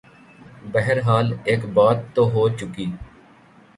بہرحال ایک بات تو ہو چکی۔